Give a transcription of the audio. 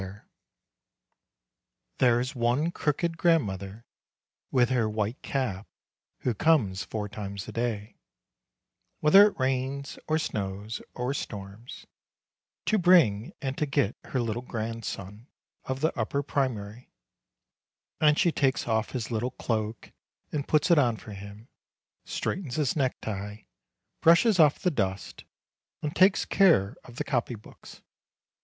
There is one crooked grandmother, with her white cap, who comes four times a day, whether it rains or snows or storms, to bring and to get her little grandson of the upper primary; and she takes off his little cloak and puts it on for him, straightens his necktie, brushes off the dust, and takes care of the copy books.